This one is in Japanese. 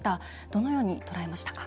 どのように捉えましたか？